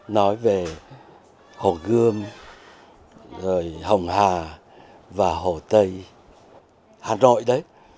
nói về hồ gươm rồi hồng hà và hồ tây hà nội đấy